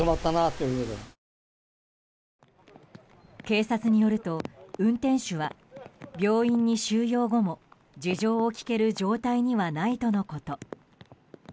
警察によると運転手は病院に収容後も事情を聴ける状態にはないとのこと。